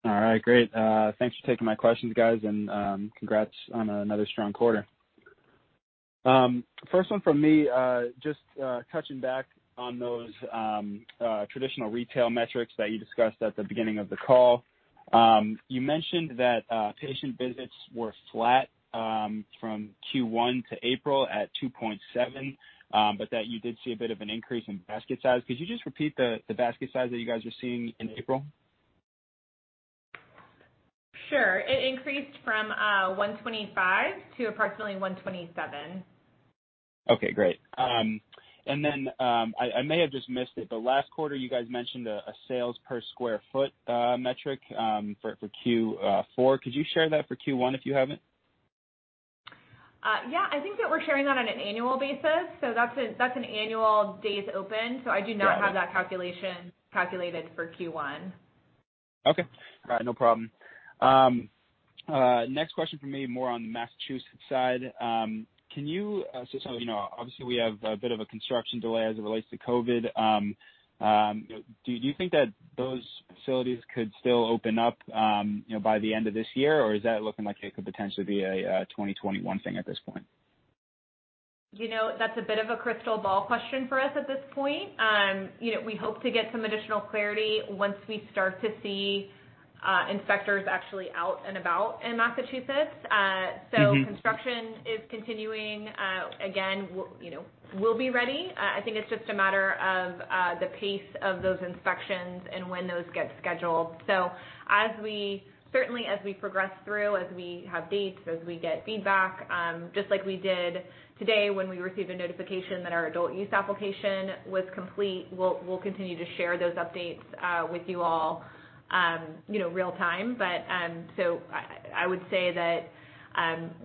Speaker 8: All right. Great. Thanks for taking my questions, guys, and congrats on another strong quarter. First one from me, just touching back on those traditional retail metrics that you discussed at the beginning of the call. You mentioned that patient visits were flat from Q1 to April at 2.7, but that you did see a bit of an increase in basket size. Could you just repeat the basket size that you guys are seeing in April?
Speaker 3: Sure. It increased from 125 to approximately 127.
Speaker 8: Okay, great. I may have just missed it, last quarter you guys mentioned a sales per square foot metric for Q4. Could you share that for Q1 if you have it?
Speaker 3: Yeah. I think that we're sharing that on an annual basis. That's an annual days open.
Speaker 8: Got it.
Speaker 3: I do not have that calculation calculated for Q1.
Speaker 8: Okay. All right. No problem. Next question from me, more on the Massachusetts side. Obviously we have a bit of a construction delay as it relates to COVID-19. Do you think that those facilities could still open up by the end of this year, or is that looking like it could potentially be a 2021 thing at this point?
Speaker 3: That's a bit of a crystal ball question for us at this point. We hope to get some additional clarity once we start to see inspectors actually out and about in Massachusetts. Construction is continuing. Again, we'll be ready. I think it's just a matter of the pace of those inspections and when those get scheduled. Certainly as we progress through, as we have dates, as we get feedback, just like we did today when we received a notification that our adult use application was complete, we'll continue to share those updates with you all real time. I would say that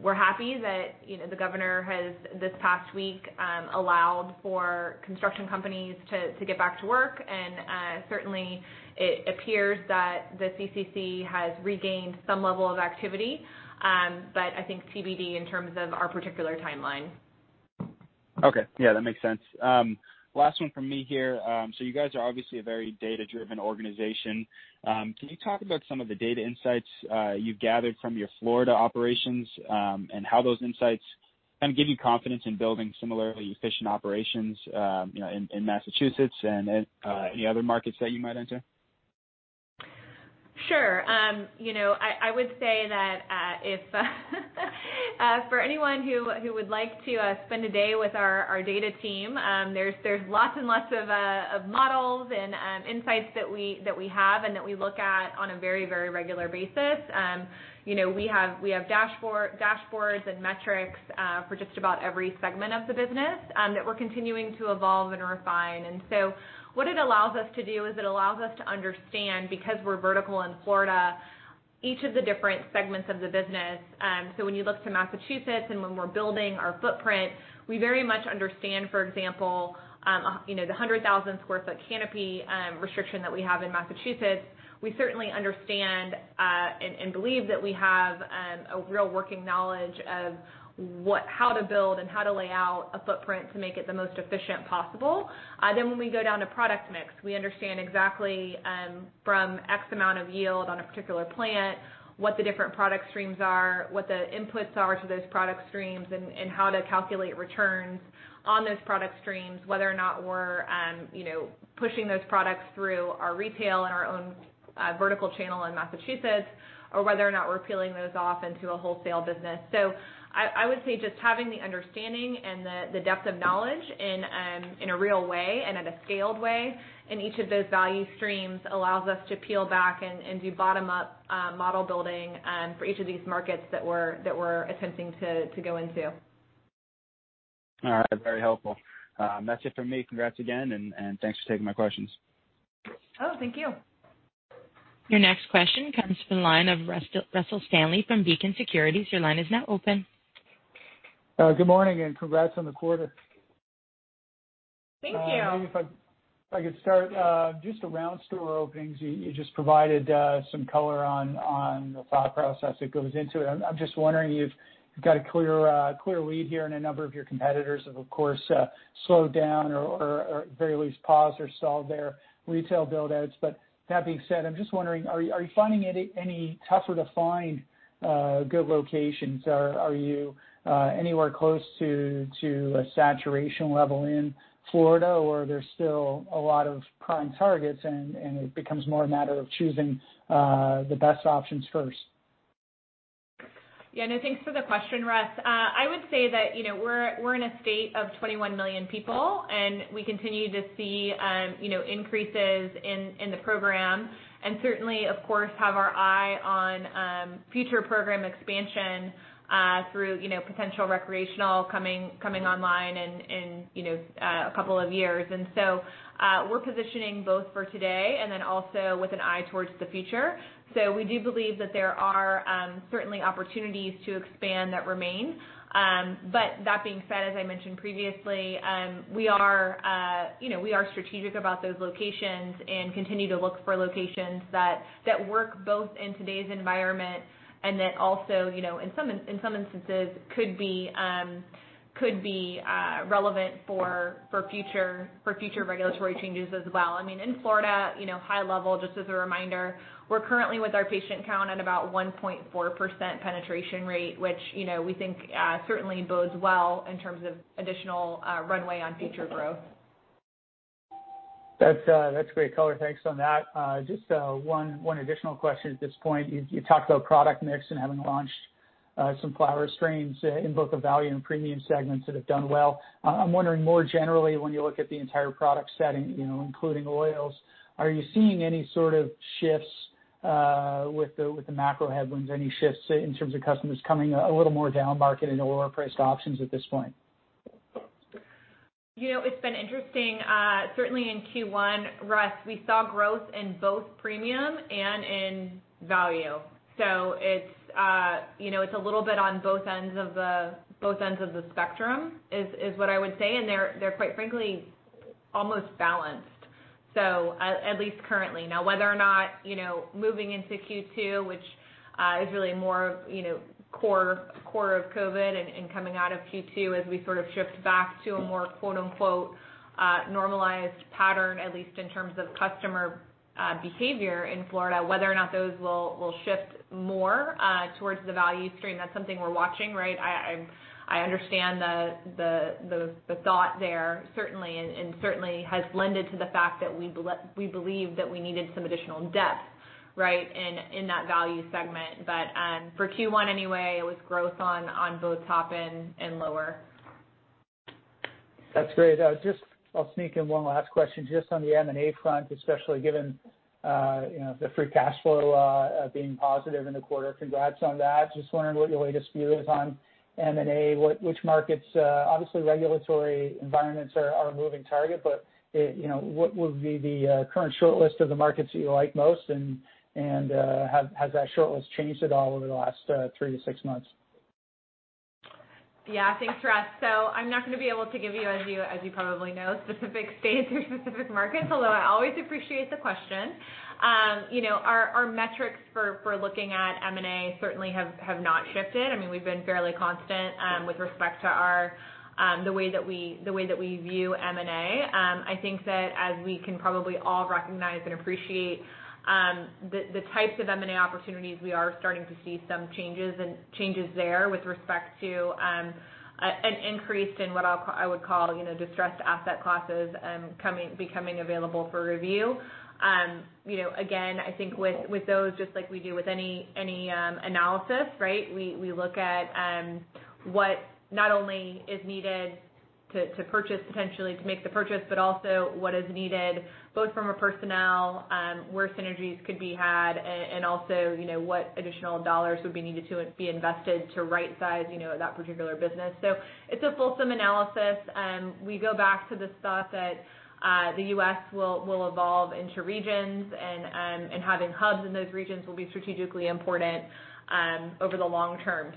Speaker 3: we're happy that the Governor has, this past week, allowed for construction companies to get back to work. Certainly it appears that the CCC has regained some level of activity. I think TBD in terms of our particular timeline.
Speaker 8: Okay. Yeah, that makes sense. Last one from me here. You guys are obviously a very data-driven organization. Can you talk about some of the data insights you've gathered from your Florida operations and how those insights kind of give you confidence in building similarly efficient operations in Massachusetts and any other markets that you might enter?
Speaker 3: Sure. I would say that for anyone who would like to spend a day with our data team, there's lots and lots of models and insights that we have and that we look at on a very regular basis. We have dashboards and metrics for just about every segment of the business that we're continuing to evolve and refine. What it allows us to do is it allows us to understand, because we're vertical in Florida, each of the different segments of the business. When you look to Massachusetts and when we're building our footprint, we very much understand, for example, the 100,000 sq ft canopy restriction that we have in Massachusetts. We certainly understand, and believe that we have a real working knowledge of how to build and how to lay out a footprint to make it the most efficient possible. When we go down to product mix, we understand exactly from X amount of yield on a particular plant, what the different product streams are, what the inputs are to those product streams, and how to calculate returns on those product streams, whether or not we're pushing those products through our retail and our own vertical channel in Massachusetts, or whether or not we're peeling those off into a wholesale business. I would say just having the understanding and the depth of knowledge in a real way and in a scaled way in each of those value streams allows us to peel back and do bottom-up model building for each of these markets that we're attempting to go into.
Speaker 8: All right. Very helpful. That's it from me. Congrats again, and thanks for taking my questions.
Speaker 3: Oh, thank you.
Speaker 1: Your next question comes from the line of Russell Stanley from Beacon Securities. Your line is now open.
Speaker 9: Good morning and congrats on the quarter.
Speaker 3: Thank you.
Speaker 9: If I could start, just around store openings, you just provided some color on the thought process that goes into it. I'm just wondering, you've got a clear lead here, and a number of your competitors have, of course, slowed down or at the very least paused or stalled their retail build-outs. That being said, I'm just wondering, are you finding it any tougher to find good locations? Are you anywhere close to a saturation level in Florida, or are there still a lot of prime targets, and it becomes more a matter of choosing the best options first?
Speaker 3: Yeah. Thanks for the question, Russ. I would say that we're in a state of 21 million people, and we continue to see increases in the program, and certainly, of course, have our eye on future program expansion through potential recreational coming online in a couple of years. We're positioning both for today and then also with an eye towards the future. We do believe that there are certainly opportunities to expand that remain. That being said, as I mentioned previously, we are strategic about those locations and continue to look for locations that work both in today's environment and that also, in some instances, could be relevant for future regulatory changes as well. In Florida, high level, just as a reminder, we're currently with our patient count at about 1.4% penetration rate, which we think certainly bodes well in terms of additional runway on future growth.
Speaker 9: That's great color. Thanks on that. Just one additional question at this point. You talked about product mix and having launched some flower strains in both the value and premium segments that have done well. I'm wondering more generally, when you look at the entire product setting, including oils, are you seeing any sort of shifts with the macro headwinds, any shifts in terms of customers coming a little more downmarket into lower-priced options at this point?
Speaker 3: It's been interesting. Certainly in Q1, Russ, we saw growth in both premium and in value. It's a little bit on both ends of the spectrum, is what I would say, and they're quite frankly, almost balanced. At least currently. Now, whether or not, moving into Q2, which is really more core of COVID-19 and coming out of Q2, as we sort of shift back to a more "normalized pattern," at least in terms of customer behavior in Florida, whether or not those will shift more towards the value stream, that's something we're watching. I understand the thought there, certainly, and certainly has lended to the fact that we believe that we needed some additional depth in that value segment. For Q1 anyway, it was growth on both top and lower.
Speaker 9: That's great. I'll sneak in one last question just on the M&A front, especially given the free cash flow being positive in the quarter. Congrats on that. Wondering what your latest view is on M&A. Regulatory environments are a moving target, but what would be the current shortlist of the markets that you like most, and has that shortlist changed at all over the last three to six months?
Speaker 3: Yeah. Thanks, Russ. I'm not going to be able to give you, as you probably know, specific states or specific markets, although I always appreciate the question. Our metrics for looking at M&A certainly have not shifted. We've been fairly constant with respect to the way that we view M&A. I think that as we can probably all recognize and appreciate, the types of M&A opportunities, we are starting to see some changes there with respect to an increase in what I would call distressed asset classes becoming available for review. Again, I think with those, just like we do with any analysis, we look at what not only is needed to purchase, potentially to make the purchase, but also what is needed both from a personnel, where synergies could be had, and also, what additional dollars would be needed to be invested to rightsize that particular business. It's a fulsome analysis. We go back to this thought that the U.S. will evolve into regions, and having hubs in those regions will be strategically important over the long term.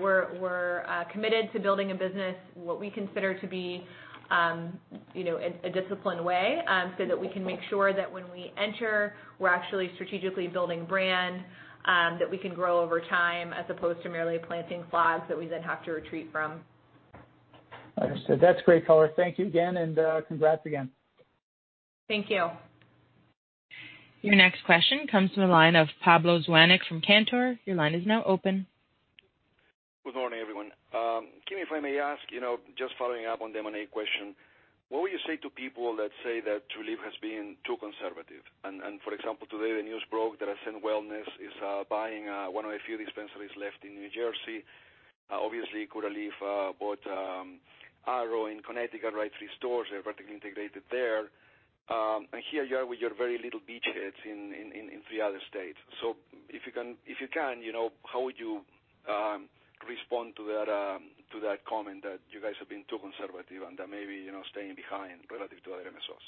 Speaker 3: We're committed to building a business in what we consider to be a disciplined way, so that we can make sure that when we enter, we're actually strategically building brand that we can grow over time, as opposed to merely planting flags that we then have to retreat from.
Speaker 9: Understood. That's great color. Thank you again, and congrats again.
Speaker 3: Thank you.
Speaker 1: Your next question comes from the line of Pablo Zuanic from Cantor. Your line is now open.
Speaker 10: Good morning, everyone. Kim, if I may ask, just following up on the M&A question, what would you say to people that say that Trulieve has been too conservative? For example, today the news broke that Ascend Wellness is buying one of the few dispensaries left in New Jersey. Obviously, Curaleaf bought Arrow in Connecticut, right? Three stores, they're vertically integrated there. Here you are with your very little beachheads in three other states. If you can, how would you respond to that comment that you guys have been too conservative, and that maybe staying behind relative to other MSOs?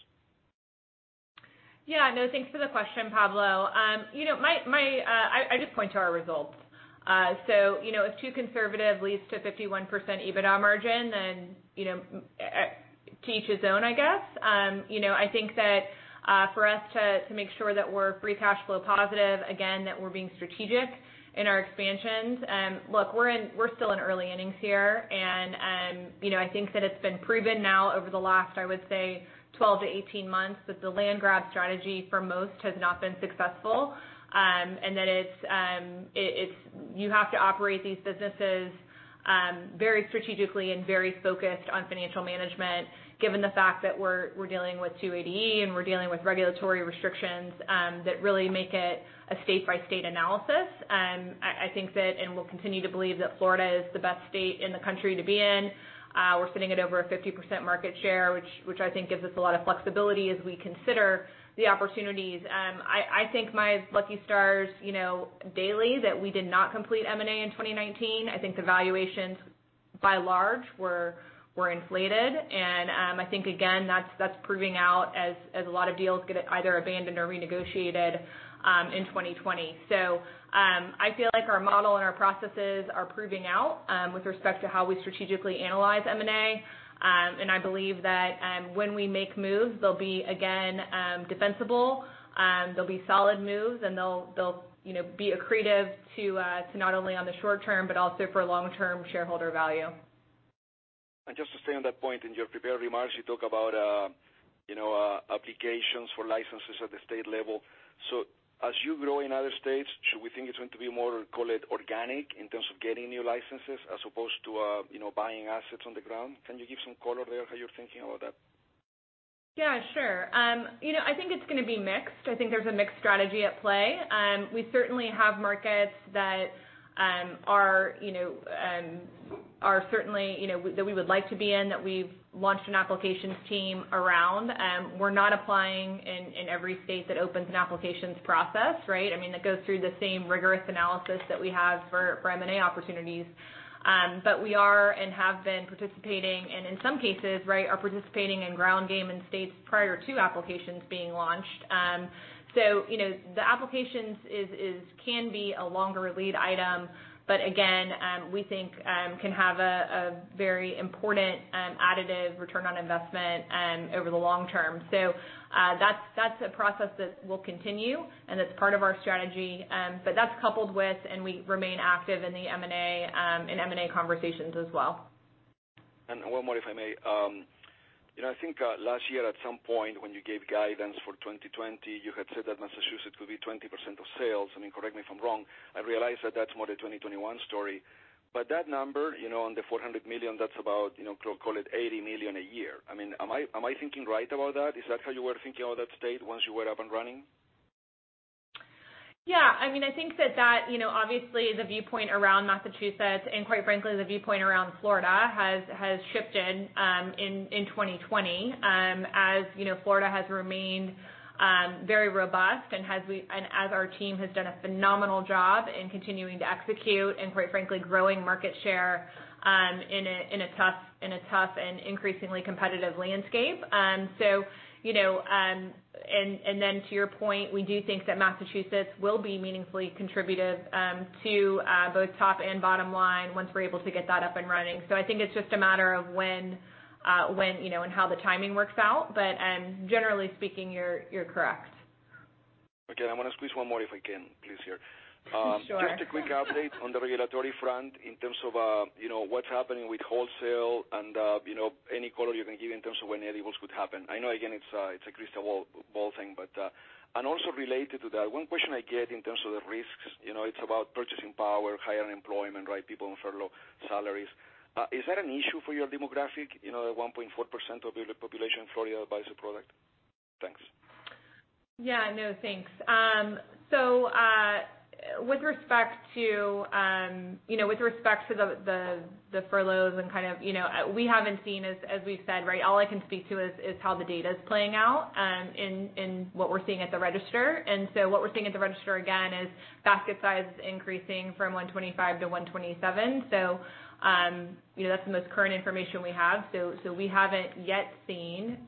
Speaker 3: Yeah, thanks for the question, Pablo. I just point to our results. If too conservative leads to 51% EBITDA margin, then to each his own, I guess. I think that for us to make sure that we're free cash flow positive, again, that we're being strategic in our expansions. Look, we're still in early innings here, and I think that it's been proven now over the last, I would say, 12 to 18 months, that the land grab strategy for most has not been successful. That you have to operate these businesses very strategically and very focused on financial management, given the fact that we're dealing with 280E, and we're dealing with regulatory restrictions that really make it a state-by-state analysis. I think that, and we'll continue to believe that Florida is the best state in the country to be in. We're sitting at over a 50% market share, which I think gives us a lot of flexibility as we consider the opportunities. I thank my lucky stars daily that we did not complete M&A in 2019. I think the valuations by and large were inflated. I think, again, that's proving out as a lot of deals get either abandoned or renegotiated in 2020. I feel like our model and our processes are proving out with respect to how we strategically analyze M&A. I believe that when we make moves, they'll be, again, defensible. They'll be solid moves, and they'll be accretive to not only on the short-term but also for long-term shareholder value.
Speaker 10: Just to stay on that point, in your prepared remarks, you talk about applications for licenses at the state level. As you grow in other states, should we think it's going to be more, call it organic, in terms of getting new licenses as opposed to buying assets on the ground? Can you give some color there how you're thinking about that?
Speaker 3: Yeah, sure. I think it's going to be mixed. I think there's a mixed strategy at play. We certainly have markets that we would like to be in, that we've launched an applications team around. We're not applying in every state that opens an applications process, right? It goes through the same rigorous analysis that we have for M&A opportunities. We are and have been participating, and in some cases, are participating in ground game in states prior to applications being launched. The applications can be a longer lead item, but again, we think can have a very important additive return on investment over the long term. That's a process that will continue, and that's part of our strategy. That's coupled with, and we remain active in the M&A conversations as well.
Speaker 10: One more, if I may. I think last year at some point when you gave guidance for 2020, you had said that Massachusetts could be 20% of sales. Correct me if I'm wrong. I realize that that's more the 2021 story. That number, on the $400 million, that's about, call it $80 million a year. Am I thinking right about that? Is that how you were thinking about that state once you were up and running?
Speaker 3: Yeah, I think that obviously the viewpoint around Massachusetts, and quite frankly, the viewpoint around Florida, has shifted in 2020. As Florida has remained very robust and as our team has done a phenomenal job in continuing to execute and quite frankly, growing market share in a tough and increasingly competitive landscape. To your point, we do think that Massachusetts will be meaningfully contributive to both top and bottom line once we're able to get that up and running. I think it's just a matter of when, and how the timing works out. Generally speaking, you're correct.
Speaker 10: Okay, I'm going to squeeze one more if I can, please, here.
Speaker 3: Sure.
Speaker 10: Just a quick update on the regulatory front in terms of what's happening with wholesale and any color you can give in terms of when edibles could happen. I know, again, it's a crystal ball thing, but also related to that, one question I get in terms of the risks, it's about purchasing power, higher unemployment, people on furlough, salaries. Is that an issue for your demographic? The 1.4% of the population in Florida buys the product. Thanks.
Speaker 3: Yeah. No, thanks. With respect to the furloughs, we haven't seen, as we've said. All I can speak to is how the data's playing out in what we're seeing at the register. What we're seeing at the register, again, is basket size increasing from 125 to 127. That's the most current information we have. We haven't yet seen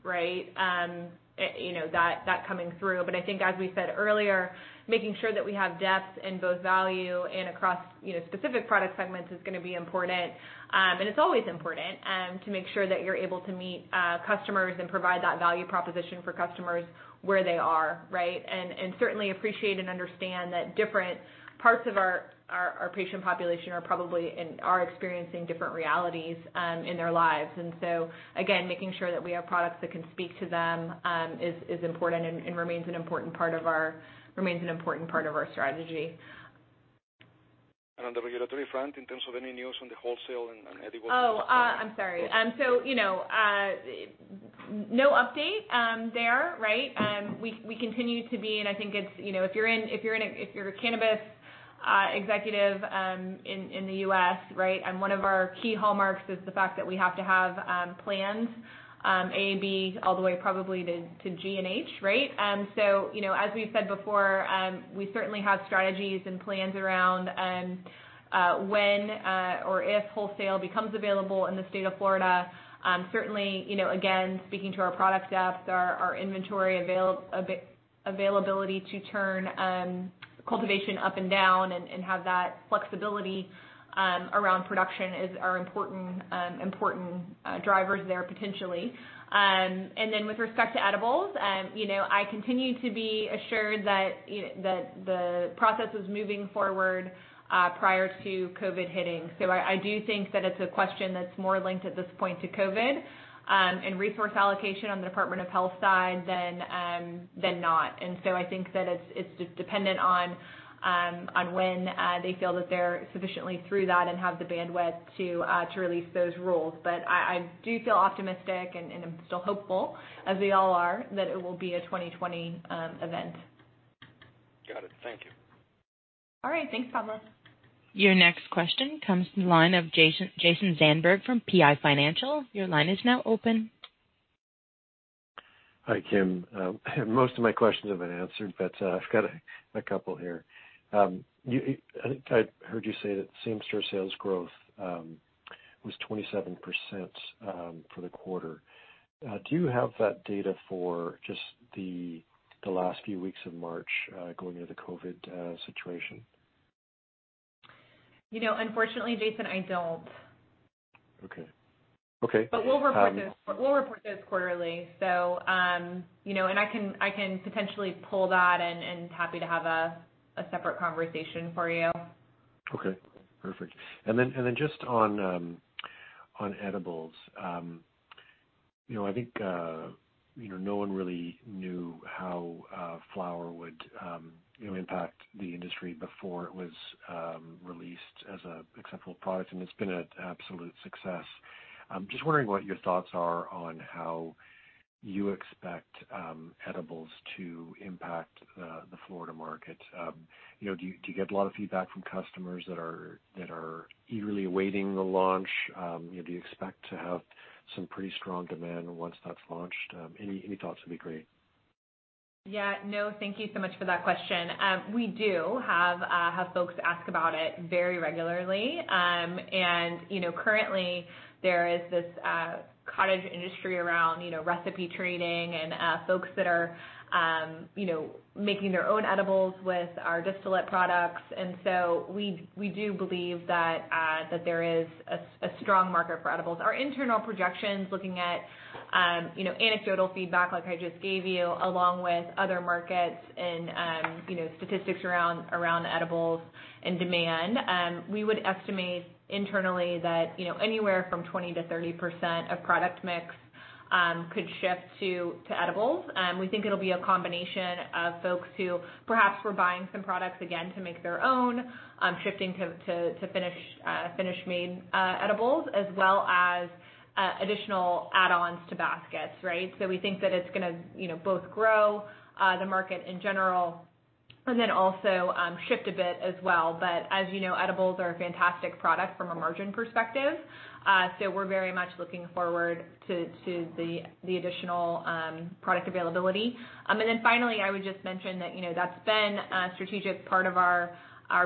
Speaker 3: that coming through. I think as we said earlier, making sure that we have depth in both value and across specific product segments is going to be important. It's always important to make sure that you're able to meet customers and provide that value proposition for customers where they are. Certainly appreciate and understand that different parts of our patient population are experiencing different realities in their lives. Again, making sure that we have products that can speak to them is important and remains an important part of our strategy.
Speaker 10: On the regulatory front, in terms of any news on the wholesale and edibles?
Speaker 3: Oh, I'm sorry. No update there, right? We continue to be, and I think if you're a cannabis executive in the U.S., and one of our key hallmarks is the fact that we have to have plans, A and B all the way probably to G and H, right? As we've said before, we certainly have strategies and plans around when or if wholesale becomes available in the state of Florida. Certainly, again, speaking to our product depth, our inventory availability to turn cultivation up and down and have that flexibility around production are important drivers there potentially. With respect to edibles, I continue to be assured that the process was moving forward prior to COVID hitting. I do think that it's a question that's more linked at this point to COVID and resource allocation on the Department of Health side than not. I think that it's just dependent on when they feel that they're sufficiently through that and have the bandwidth to release those rules. I do feel optimistic, and I'm still hopeful, as we all are, that it will be a 2020 event.
Speaker 10: Got it. Thank you.
Speaker 3: All right. Thanks, Pablo.
Speaker 1: Your next question comes from the line of Jason Zandberg from PI Financial. Your line is now open.
Speaker 11: Hi, Kim. Most of my questions have been answered. I've got a couple here. I think I heard you say that same-store sales growth was 27% for the quarter. Do you have that data for just the last few weeks of March, going into the COVID situation?
Speaker 3: Unfortunately, Jason, I don't.
Speaker 11: Okay.
Speaker 3: We'll report those quarterly. I can potentially pull that and happy to have a separate conversation for you.
Speaker 11: Okay, perfect. Just on edibles. I think no one really knew how flower would impact the industry before it was released as an acceptable product, and it's been an absolute success. I'm just wondering what your thoughts are on how you expect edibles to impact the Florida market. Do you get a lot of feedback from customers that are eagerly awaiting the launch? Do you expect to have some pretty strong demand once that's launched? Any thoughts would be great.
Speaker 3: Yeah. No, thank you so much for that question. We do have folks ask about it very regularly. Currently there is this cottage industry around recipe trading and folks that are making their own edibles with our distillate products. We do believe that there is a strong market for edibles. Our internal projections, looking at anecdotal feedback like I just gave you, along with other markets and statistics around edibles and demand, we would estimate internally that anywhere from 20%-30% of product mix could shift to edibles. We think it'll be a combination of folks who perhaps were buying some products again to make their own, shifting to finished made edibles, as well as additional add-ons to baskets, right? We think that it's going to both grow the market in general and then also shift a bit as well. As you know, edibles are a fantastic product from a margin perspective. We're very much looking forward to the additional product availability. Finally, I would just mention that's been a strategic part of our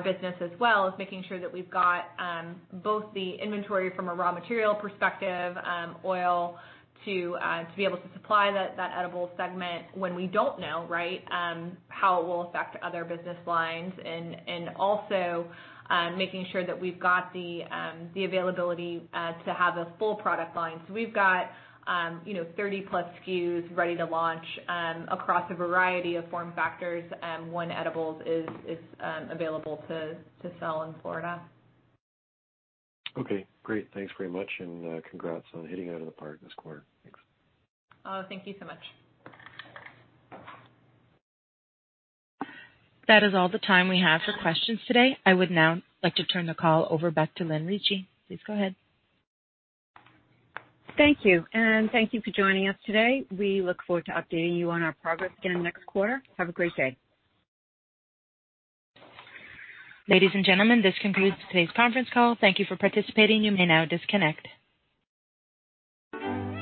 Speaker 3: business as well, is making sure that we've got both the inventory from a raw material perspective, oil to be able to supply that edible segment when we don't know how it will affect other business lines, and also making sure that we've got the availability to have a full product line. We've got 30-plus SKUs ready to launch across a variety of form factors when edibles is available to sell in Florida.
Speaker 11: Okay, great. Thanks very much. Congrats on hitting it out of the park this quarter. Thanks.
Speaker 3: Thank you so much.
Speaker 1: That is all the time we have for questions today. I would now like to turn the call over back to Lynn Ricci. Please go ahead.
Speaker 2: Thank you, and thank you for joining us today. We look forward to updating you on our progress again next quarter. Have a great day.
Speaker 1: Ladies and gentlemen, this concludes today's conference call. Thank you for participating. You may now disconnect.